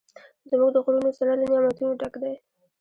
زموږ د غرونو زړه له نعمتونو ډک دی.